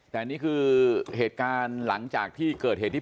แต่นี่คือเหตุการณ์หลังจากที่เกิดเหตุที่